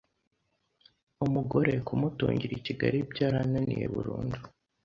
Umugore kumutungira i Kigali byarananiye burundu”